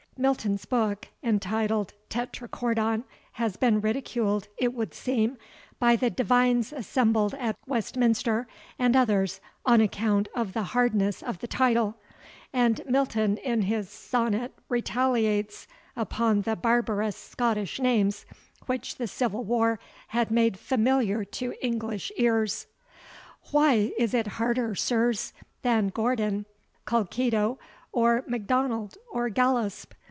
[Milton's book, entitled TETRACHORDON, had been ridiculed, it would seem, by the divines assembled at Westminster, and others, on account of the hardness of the title; and Milton in his sonnet retaliates upon the barbarous Scottish names which the Civil War had made familiar to English ears: .... why is it harder, sirs, than Gordon, COLKITTO or M'Donald, or Gallasp?